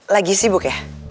lagi sibuk ya